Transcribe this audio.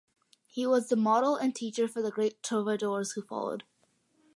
He was the model and teacher for the great trovadores who followed.